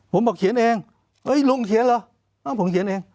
ผมบอกเขียนเองเฮ้ยลุงเขียนเหรอผมเขียนเอง